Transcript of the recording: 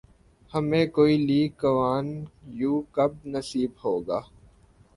ہمیں کوئی لی کوآن یو کب نصیب ہوگا؟